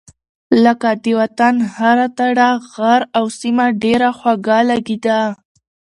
لکه : د وطن هره تړه غر او سيمه ډېره خوږه لګېده.